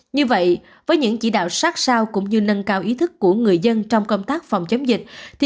như vậy với những chỉ đạo sát sao cũng như nâng cao ý thức của người dân trong công tác phòng chống dịch